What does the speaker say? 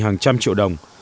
hàng trăm triệu đồng